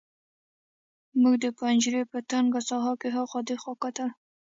موږ د پنجرې په تنګه ساحه کې هاخوا دېخوا کتل